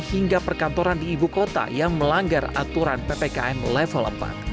hingga perkantoran di ibu kota yang melanggar aturan ppkm level empat